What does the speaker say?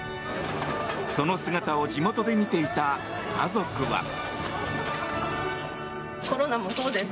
その姿を地元で見ていた家族は。